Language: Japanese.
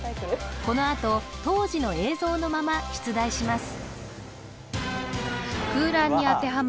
このあと当時の映像のまま出題します